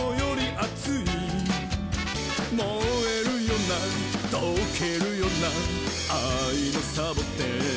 「もえるよなとけるよなあいのサボテン」